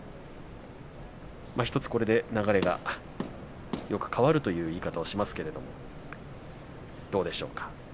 流れが１つ変わるという言い方をしますけれどもどうでしょうか。